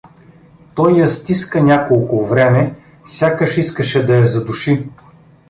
Той я стиска няколко време, сякаш искаше да я задуши.